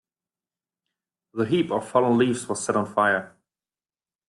The heap of fallen leaves was set on fire.